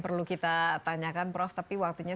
perlu kita tanyakan prof tapi waktunya